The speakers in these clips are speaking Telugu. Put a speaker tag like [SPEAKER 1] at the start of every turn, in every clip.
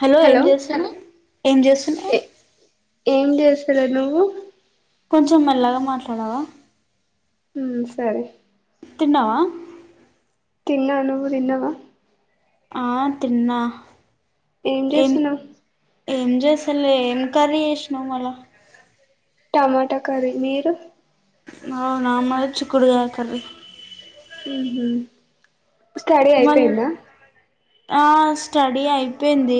[SPEAKER 1] హలో ఏం చేస్తాను ఏం చేస్తున్నావ్
[SPEAKER 2] ఏం జేస్తలే నువ్వు
[SPEAKER 1] కొంచెం మెల్లాగా మాట్లాడవా
[SPEAKER 2] హమ్ సరే
[SPEAKER 1] తిన్నావా
[SPEAKER 2] తిన్నా నువూ తిన్నవా
[SPEAKER 1] ఆ తిన్నా
[SPEAKER 2] ఏం చేస్తున్నావ్
[SPEAKER 1] ఏం చెస్తలె ఏం కరీ చేసునావ్ మల్ల
[SPEAKER 2] టమాటా కర్రీ మీరు
[SPEAKER 1] ఆవునా మాది చికుడుగాయ కరి
[SPEAKER 2] ఉమ్ హమ్ స్టడీ
[SPEAKER 1] మళ్ళీ
[SPEAKER 2] ఆయిపోయిందా
[SPEAKER 1] ఆ స్టడీ అయిపోయింది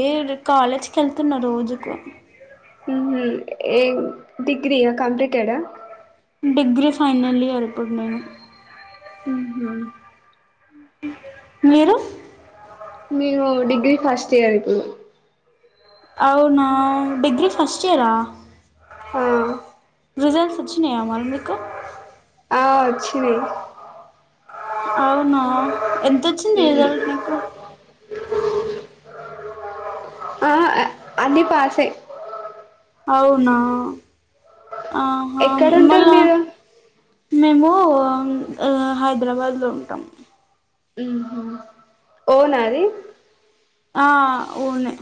[SPEAKER 1] కాలేజ్కి వెళ్తున్న రోజుకు
[SPEAKER 2] ఉం హిం ఏ డిగ్రీ ఆ కంప్లీటెడ్ ఆ
[SPEAKER 1] డిగ్రీ ఫైనల్ ఇయర్ప్పుడు నేను
[SPEAKER 2] మ్మ్ హ్మ్
[SPEAKER 1] మీరు
[SPEAKER 2] మేము డిగ్రీ ఫస్ట్ ఇయర్ ఇప్పుడు
[SPEAKER 1] అవునా డిగ్రీ ఫస్ట్ ఇయరా
[SPEAKER 2] ఆ
[SPEAKER 1] రిజల్ట్స్ వచ్చినాయా మరి మీకు
[SPEAKER 2] ఆ వచినయ్
[SPEAKER 1] అవునా ఎంత వచ్చింది
[SPEAKER 2] మ్మ్
[SPEAKER 1] రిసల్తట్ నీకు
[SPEAKER 2] ఆహ్ అన్ని పాసే.
[SPEAKER 1] అవునా. ఆహా
[SPEAKER 2] ఎక్కడుంటారు
[SPEAKER 1] మళ్ళా
[SPEAKER 2] మీరు
[SPEAKER 1] మేము. ఆహ్ హైదరాబాద్ లో ఉంటాం.
[SPEAKER 2] ఓనాది.
[SPEAKER 1] ఆహ్ ఓనే.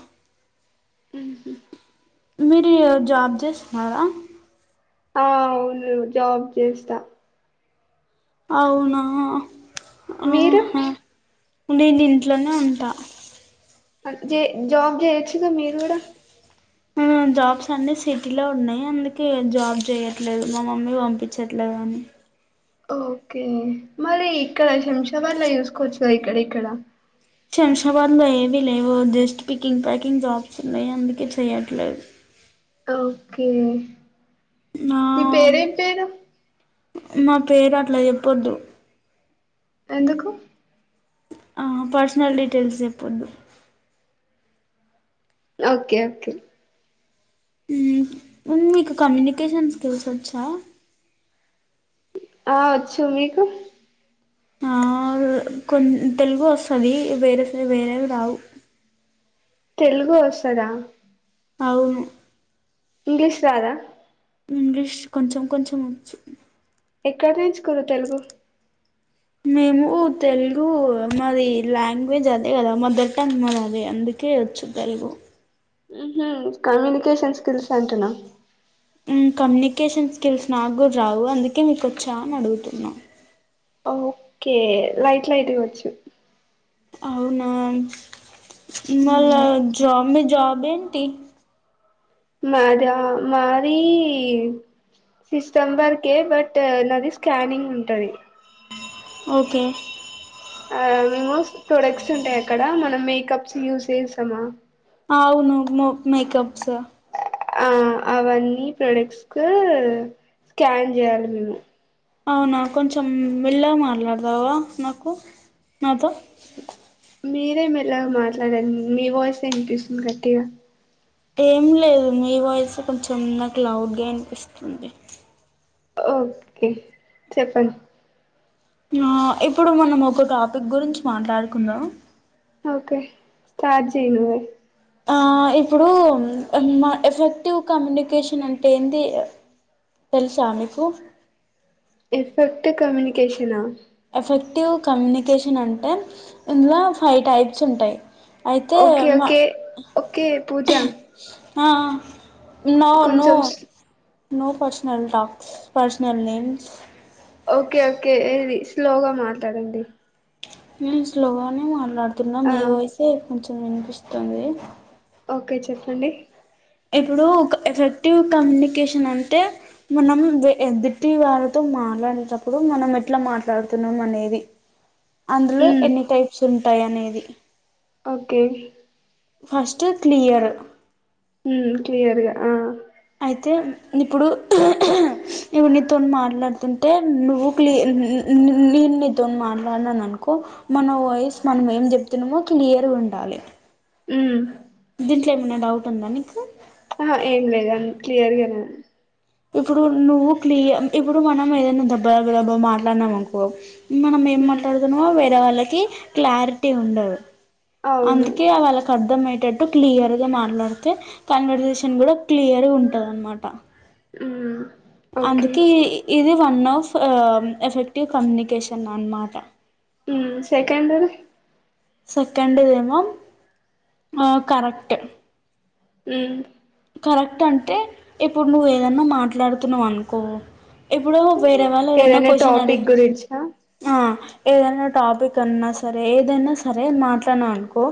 [SPEAKER 1] మీరు జబ్ చేస్తున్నారా.
[SPEAKER 2] ఆహ్ అవును జాబ్ చేస్తా.
[SPEAKER 1] అవునా.
[SPEAKER 2] మీరు
[SPEAKER 1] ఆహ. నేను ఇంట్లోనే ఉంటా.
[SPEAKER 2] జే జాబ్ చేయొచ్చుగా మీరు కూడా.
[SPEAKER 1] జాబ్స్ అన్ని సిటీలో ఉన్నాయి అందుకే జాబ్ చేయట్లేదు మా మమ్మీ పంపించట్లేదు అని.
[SPEAKER 2] ఓకే మరి ఇక్కడ శంషాబాద్లా చూసుకోవచ్చు ఇక్కడ ఇక్కడ.
[SPEAKER 1] శంషా. ఉవాన్లో ఏవీ లేవు జస్ట్ పికింగ్ ప్యాకింగ్ జాబ్స్ ఉన్నాయి అందుకే చెయట్లేదు.
[SPEAKER 2] ఓకే.
[SPEAKER 1] నా
[SPEAKER 2] మీ పేరేం పేరు.
[SPEAKER 1] మా పేరు అట్లా చెప్పొద్దు.
[SPEAKER 2] ఎందుకు.
[SPEAKER 1] ఆహ్ పర్సనల్ డీటెయిల్స్ చెప్పొద్దు.
[SPEAKER 2] Okay okay.
[SPEAKER 1] మీకు కమ్యూనికేషన్ స్కిల్స్ వచ్చా.
[SPEAKER 2] ఆహ్ వచ్చు మీకు.
[SPEAKER 1] ఆహ్ కొన్ తెలుగు వస్తుంది వేరే వేరేవి రావు.
[SPEAKER 2] తెలుగు వస్తాదా.
[SPEAKER 1] అవును.
[SPEAKER 2] ఇంగ్లీష్ రాదా.
[SPEAKER 1] ఇంగ్లీష్ కొంచెం కొంచెం వచ్చు.
[SPEAKER 2] ఎక్కడ నేర్చుకుంరు తెలుగు.
[SPEAKER 1] మేము తెలుగు మాది లాంగ్వేజ్ అదే కదా మదర్ టంగ్ మరి అది అందుకే వచ్చు తెలుగు.
[SPEAKER 2] ఉమ్మ్ కమ్యూనికేషన్ స్కిల్స్ అంటున్నా.
[SPEAKER 1] కమ్యూనికేషన్ స్కిల్స్ నాకు కూడా రావు అందుకే మీకు వచ్చా అని అడుగుతున్నా.
[SPEAKER 2] ఓకే లైట్ లైట్ గా వచ్చు.
[SPEAKER 1] అవునా. మళ్ళ జాబ్ని. జాబ్ ఏంటి.
[SPEAKER 2] మాదా మాది సిస్టం వర్కే బట్ నాది స్కానింగ్ ఉంటాది.
[SPEAKER 1] ఓకే.
[SPEAKER 2] ఆహ్ మేము ప్రొడక్ట్స్ ఉంటాయి అక్కడ మనం మేకప్స్ యూస్ చేస్తామా.
[SPEAKER 1] అవును మో మేకప్స్.
[SPEAKER 2] ఆహ్ అవన్నీ ప్రొడక్ట్స్ కు స్కాన్ చేయాలి మేము.
[SPEAKER 1] అవునా కొంచెం మేల్లగా మాట్లాడతావా నాకు నాతో
[SPEAKER 2] మీరే మెల్లగా మాట్లాడండి మీ వాయిస్ వినిపిస్తుంది గట్టిగా.
[SPEAKER 1] ఏం లేదు మీ వాయిస్ కొంచెం లౌడ్ గా వినిపిస్తుంది.
[SPEAKER 2] ఓకే చెప్పండి
[SPEAKER 1] ఆ ఇప్పుడు మనం ఒక టాపిక్ గురించి మాట్లాడుకుందాం
[SPEAKER 2] ఓకే స్టార్ట్ చెయ్యి నువ్వే
[SPEAKER 1] ఆ ఇప్పుడు మా ఎఫెక్టివ్ కమ్యూనికేషన్ అంటే ఏంది తెలుసా మీకు
[SPEAKER 2] ఎఫెక్ట్ కమ్యూనికేషనా
[SPEAKER 1] ఎఫెక్టివ్ కమ్యూనికేషన్ అంటే ఇందులో ఫైవ్ టైప్స్ ఉంటాయి అయితే
[SPEAKER 2] ఓకే
[SPEAKER 1] మా
[SPEAKER 2] ఓకే ఓకే పూజ
[SPEAKER 1] ఆ నో నో
[SPEAKER 2] కొంచెం
[SPEAKER 1] no personal talks personal names
[SPEAKER 2] okay okay ఏది స్లోగా మాట్లాడండి
[SPEAKER 1] హమ్ స్లోగా నే మాట్లాడుతున్న తున్న
[SPEAKER 2] ఆ
[SPEAKER 1] మీ వాయిస్ఎ వినిపిస్తుంది
[SPEAKER 2] ఓకే చెప్పండి
[SPEAKER 1] ఇప్పుడు ఒక ఎఫెక్టివ్ కమ్యూనికేషన్ అంటే మనం ఎదుటి వాళ్ళతో మాట్లాడేటప్పుడు మనం ఎట్లా మాట్లాడుతున్నాం అనేది అందులో
[SPEAKER 2] మ్
[SPEAKER 1] ఎన్ని టైప్స్ ఉం టై అనేది
[SPEAKER 2] ఓకే
[SPEAKER 1] ఫస్ట్ క్లియర్
[SPEAKER 2] హమ్ క్లియర్గా ఆ
[SPEAKER 1] అయితే ఇప్పుడు ఇవన్నీ తో మాట్లాడుతుంటే నువ్వు క్లియ నేను నీతో మాట్లాడనాను అనుకో మన వాయిస్ మనం ఏం చెప్తున్నామో క్లియర్గా ఉండాలి
[SPEAKER 2] ఉ
[SPEAKER 1] దీంట్లో ఏమైనా డౌట్ ఉందా నీకు
[SPEAKER 2] ఆ ఏం లేదు అ క్లియర్ గానే
[SPEAKER 1] ఇప్పుడు నువ్వు క్లియ ఇప్పుడు మనం ఏదైనా దబ్బ దబ్బ దబ్బా మాట్లాడినాం అనుకో మనం ఏం
[SPEAKER 2] ఉమ్
[SPEAKER 1] మాట్లాడుతున్నమో వేరే లకి క్లారిటీ ఉండవు
[SPEAKER 2] అవును
[SPEAKER 1] అందుకే వాళ్ళకి అర్థంయి ట్టు క్లియర్ గా మాట్లాడితే కన్వర్సేషన్ కూడా క్లియర్ గా ఉంటది అనమాట
[SPEAKER 2] ఉ
[SPEAKER 1] అందుకి ఇది వన్ ఆఫ్ ఎఫెక్టివ్ కమ్యూనికిషన్ అన్నమాట
[SPEAKER 2] ఉ సెకండ్ ది
[SPEAKER 1] సెకండ్ డెమో ఆ కరెక్ట్
[SPEAKER 2] ఉ
[SPEAKER 1] కరెక్ట్ అంటే ఇప్పుడు నువ్వు ఏదన్నా మాట్లాడుతున్నావు అనుకో ఇప్పుడు వేరే వాళ్ళు ఏదన్న
[SPEAKER 2] ఏదైనా
[SPEAKER 1] కోషెన్
[SPEAKER 2] టాపిక్
[SPEAKER 1] అడిగి
[SPEAKER 2] గురించా
[SPEAKER 1] ఆ ఏదైనా టాపిక్ అన్నా సరే ఏదైనా సరే మాట్లాడినా అనుకో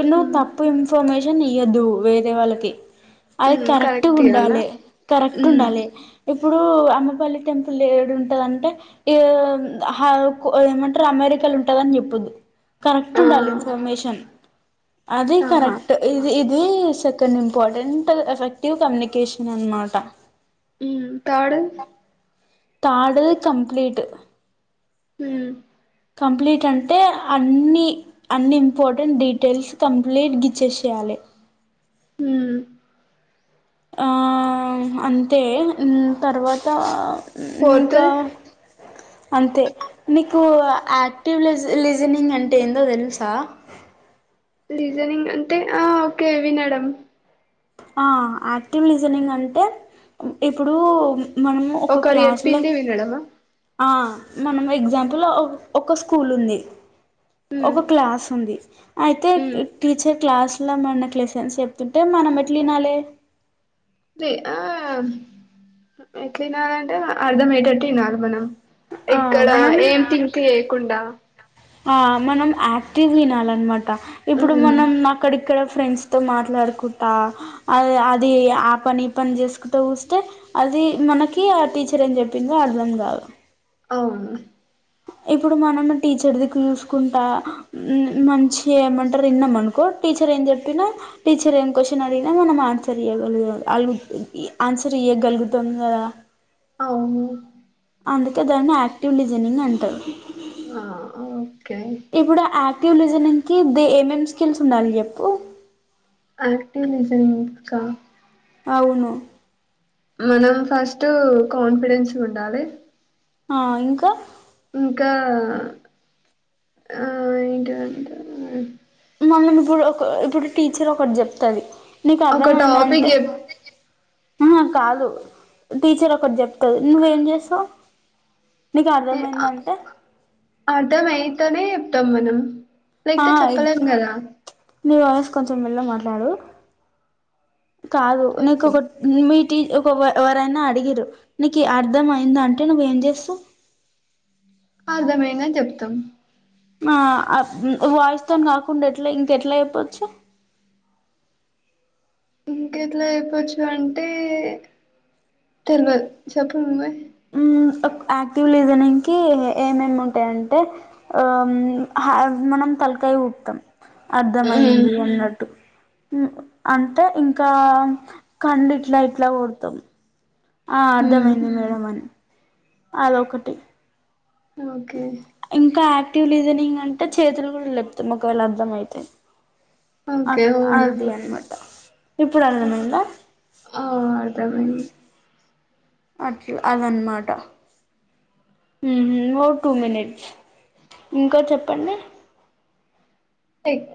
[SPEAKER 1] ఎన్నో
[SPEAKER 2] ఉమ్
[SPEAKER 1] తప్పు ఇన్ఫర్మేషన్ నీ అ దూ వేరే వళ్కి అది
[SPEAKER 2] ఉమ్
[SPEAKER 1] కరెక్ట్
[SPEAKER 2] ఇయ్యాలా
[SPEAKER 1] ఉండాలి కరెక్ట్
[SPEAKER 2] ఉమ్
[SPEAKER 1] ఉండాలి ఇప్పుడు అమ్మపల్లి టెంపుల్ ఏడు ఉంటదంటే ఇ ఏమంటారు అమెరికాలు ఉంటదని చెప్పద్దు కరెక్ట్
[SPEAKER 2] ఆ
[SPEAKER 1] ఉండాలి ఇన్ఫర్మేషన్ అదే
[SPEAKER 2] ఆహా
[SPEAKER 1] కరెక్ట్ ఇది ఇ ఏ సకన ఇంపార్టెంట్ ఎఫెక్టివ్ కమ్యూనికేషన్ అనమాట
[SPEAKER 2] ఉమ్ థర్డ్
[SPEAKER 1] కాడు కంప్లీట్
[SPEAKER 2] హ
[SPEAKER 1] కంప్లీట్ అంటే అన్నిీ అన్ని ఇంపార్టెంట్ డీటెయిల్స్ కంప్లీట్ గ ఇచ్చేసయాలి
[SPEAKER 2] హ
[SPEAKER 1] ఆ అంతే తర్వాత
[SPEAKER 2] ఫోర్త్ది
[SPEAKER 1] ఇంకా అంతే నీకు యాక్టివ్ లీజనింగ్ అంటే ఏందో తెలుసా
[SPEAKER 2] లిస్టెనింగ్ అంటే ఆ ఓకే వినాడం
[SPEAKER 1] ఆ యాక్టివ్ లీజనింగ్ అంటే ఇప్పుడు మనము ఒక
[SPEAKER 2] ఒకరు
[SPEAKER 1] క్లాస్లో
[SPEAKER 2] ఎప్పింది వినడమా
[SPEAKER 1] ఆ మనం ఎగ్జాంపుల్ ఒక స్కూల్ ఉంది
[SPEAKER 2] ఉమ్
[SPEAKER 1] ఒక క్లాస్ ఉంది అయితే
[SPEAKER 2] ఉమ్
[SPEAKER 1] టీచర్ క్లాస్ లో మన క్లెసన్స్ చెప్తుంటే మనంట్ కట్లి నాాల
[SPEAKER 2] అ ఆ ఎట్లా ఇనాలంటే అర్ధంయ్యేటట్టు తనాలి మనం
[SPEAKER 1] ఆ
[SPEAKER 2] ఇక్కడ
[SPEAKER 1] మనం
[SPEAKER 2] ఏం ింక్ చేయకుండా
[SPEAKER 1] ఆ మనం యాక్టివ్ విినాలిన్నమాట ఇప్పుడు
[SPEAKER 2] ఉమ్
[SPEAKER 1] మనం అక్కడిక్కడ ఫ్రెండ్స్ తో మాట్లాడుకుంటా అది ఆ పని పని చేసుకుంటా చస్తే అది మనకి ఆ టీచర్ అని చెప్పిందో అర్ధం కాదు
[SPEAKER 2] అవును
[SPEAKER 1] ఇప్పుడు మనం టీచర్ ది చూసుకుంటా మంచిగా ఏమంటారు విన్నాం అనుకో టీచర్ ఏం చెప్పినా టీచర్ ఏం క్వశ్చన్ అడిగినా మనం ఆన్సర్ ఇయగలుగు అగు ఆన్సర్ ఇయగలుగుతుంది కదా
[SPEAKER 2] అవును
[SPEAKER 1] అందుకే దాన్ని యాక్టివిజ జనింగ్ంట
[SPEAKER 2] ఆ ఓకే
[SPEAKER 1] ఇప్పుడు ఆక్టివ్ లిస్టనింగ్ అంటే ద ఏమేం స్కిల్స్ ఉండాలి చెప్పు
[SPEAKER 2] ఆక్టివ్లిజన్ ఇంకా
[SPEAKER 1] అవును
[SPEAKER 2] మనం ఫస్ట్ కాన్ఫిడెన్స్ ఉండాలి
[SPEAKER 1] ఆ ఇంకా.
[SPEAKER 2] ఇంకా ఆ ఏంటింటే.
[SPEAKER 1] మనం ఇప్పుడు ఒక ఇప్పుడు టీచర్ ఒకటి జెప్తది. నీకు అర్థమ
[SPEAKER 2] ఒక
[SPEAKER 1] అయింది అంటే
[SPEAKER 2] టాపిక్ చెప్
[SPEAKER 1] అహ కాదు. టీచర్ ఒకటి జెప్. నువ్వు ఎమ్ జెస్తావ్.
[SPEAKER 2] అర్థం అయితేనే యెప్తం మనం. అ
[SPEAKER 1] తాయి నీ వాయిస్ కొచం పె. మెల్లగా మాట్లాడు. కాదు నీకు
[SPEAKER 2] చెప్పు
[SPEAKER 1] ఒకటి నీమిట్. టి ఒక ఎవ ఎవరైనా అడిగిర్రు, నీకి అర్థం అయింద అంటే నువ్వ ఏం జెస్తావ్.
[SPEAKER 2] అర్థమైనది అని జెప్తం.
[SPEAKER 1] ఆ అ ఊ వాయిస్ తోని గకుండ ఎట్లా ఇంక ఎట్లా చెప్పచ్చు.
[SPEAKER 2] ఇంకెట్లా యెప్పచ్చు అంటే, తెలువద్ చెప్పు నువ్వే.
[SPEAKER 1] ఉమ్ ఓక్ అక్టివ్ లిజనింకి, ఏమేమ్ ఏమేమ్ ఉంటాయంటే, ఆమ్ హమ్ మనం తలకాయ ఊపుతాం.
[SPEAKER 2] మ్మ్
[SPEAKER 1] అర్థమయింది అన్నట్టు. ఉమ్ అంటే ఇంకా, కన్లు ఇట్లా ఇట్లా కొడతాం. ఆ
[SPEAKER 2] మ్మ్
[SPEAKER 1] అర్థమయింది మేడం అని. అదొకటి.
[SPEAKER 2] ఓకే.
[SPEAKER 1] ట్యూలిజనింగ్ అంటే, చేతులు కూడ, లెపుతాం ఒకవేళ అర్థం అయితే. అ
[SPEAKER 2] ఓకే అవును
[SPEAKER 1] అది అన్నమాట ఇప్పుడు అర్థమైందా.
[SPEAKER 2] దవుని.
[SPEAKER 1] అట్ల అదన్న మాట. ఉమ్ ఓ టూ మినేట్. ఇంకా చెప్పండి.
[SPEAKER 2] లైక్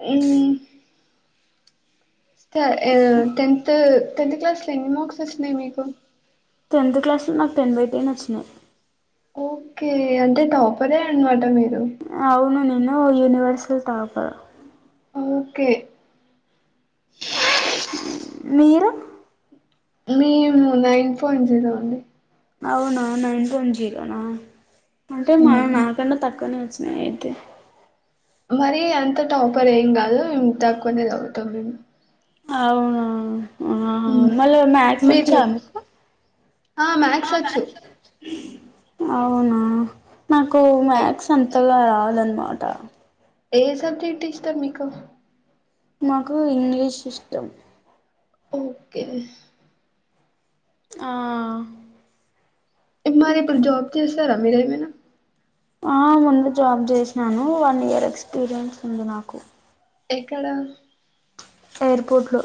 [SPEAKER 2] త ఏవ్ టెంతు టెన్త్ క్లాస్ లో ఎన్ని మార్క్స్ వొచ్చిన్నాయ్ మీకు.
[SPEAKER 1] టెన్త్ క్లాస్ లో నాకు టెన్ బై టెన్ వొచ్చినయ్.
[SPEAKER 2] ఓకే అంటే టాపరే అన్నమాట మీరు.
[SPEAKER 1] అవును నేను. ఓ యనివర్సల్ టాపర్.
[SPEAKER 2] ఓకే.
[SPEAKER 1] మీరు.
[SPEAKER 2] మేము నైన్ పాయింట్ జిరో అండి.
[SPEAKER 1] అవునా నైన్ పైన్ జిరో న. అంటే మా
[SPEAKER 2] మ్మ్
[SPEAKER 1] నాకన్నా తక్కువనే వచ్చ. అయితే
[SPEAKER 2] మరి అంత టాపర్ ఏం కాదు తక్కువనే చదువుతుంది
[SPEAKER 1] అవున
[SPEAKER 2] మీకు ఆ మ్యాథ్స్ వచ్చు
[SPEAKER 1] అవునా నాకు మ్యాథ్స్ అంతగా రాదు అనమాట
[SPEAKER 2] ఏ సబ్జెక్ట్ ఇష్టం మీకు
[SPEAKER 1] నాకు ఇంగ్లీష్ ఇష్టం
[SPEAKER 2] ఓకే
[SPEAKER 1] ఆ
[SPEAKER 2] మారి ఇప్పుడు జాబ్ చేస్తార మీరు ఏమైనా
[SPEAKER 1] ఆ ముందు జాబ్ చేసినాను వన్ ఇయర్ ఎక్స్పీరియన్స్ ఉంది నాకు
[SPEAKER 2] ఎక్కడ
[SPEAKER 1] ఎయిర్పోర్ట్లో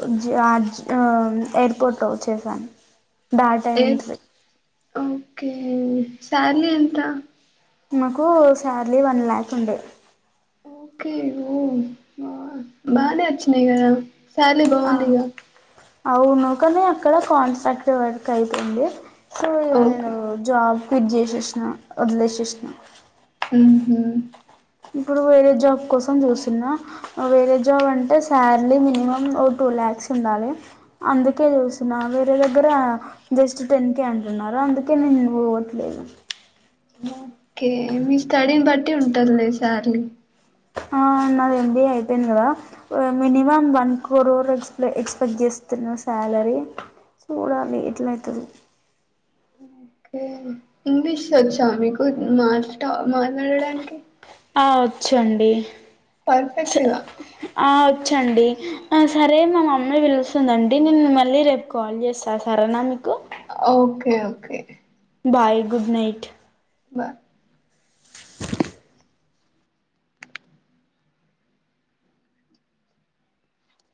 [SPEAKER 1] ఎయిర్పోర్ట్లో చేసాను డేటా
[SPEAKER 2] ఏ
[SPEAKER 1] ఎంట్రీ
[SPEAKER 2] ఓకే శాలరీ ఎంత
[SPEAKER 1] నాకు శాలరీ వన్ ల్యాక్ ఉండే
[SPEAKER 2] ఓకే ఓ వ బానే వచ్చినాయి కదా శాలరీ
[SPEAKER 1] ఆ
[SPEAKER 2] బాగుందిగా
[SPEAKER 1] అవును కానీ అక్కడ కాంట్రాక్ట్ వర్క్ అయితుంది సో నేను
[SPEAKER 2] ఓకే
[SPEAKER 1] జాబ్ క్విట్ చేసేసిన వదిలేసిన
[SPEAKER 2] ఉహు
[SPEAKER 1] ఇప్పుడు వేరే జాబ్ కోసం చూస్తూన్న వేరే జాబ్ అంటే శార్లి మినిమం ఓ టూ ల్యాక్స్ ఉండాలి అందుకే చూస్తున్న వేరే దగ్గర జస్ట్ టెన్ కే అంటున్నారు అందుకే నేను పో దేను
[SPEAKER 2] ఓకే మీ స్టడీని బట్టి ఉంటది లే సాలరీ
[SPEAKER 1] ఆ నాది ఎంబీఏ అయిపోయింది కదా మినిమం వన్ క్రోర్ ఎక్స్ ఎక్స్పెక్ట్ చేస్తున్నా శాలరీ చూడాలి ఎట్లా అయితదో
[SPEAKER 2] ఇంగ్లీష్ వచ్చా మీకు మాట్ మాట్లాడడానికి
[SPEAKER 1] ఆ వచ్చండి
[SPEAKER 2] పర్ఫెక్ట్ గా
[SPEAKER 1] వచ్చు అండి సరే మా మమ్మీ పిలుస్తూ వస్తుందండి నేను మళ్ళీ రేపు కాల్ చేస్తా సరేనా మీకూ
[SPEAKER 2] okay okay
[SPEAKER 1] bye good night
[SPEAKER 2] బ